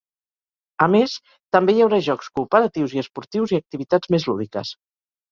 A més, també hi haurà jocs cooperatius i esportius i activitats més lúdiques.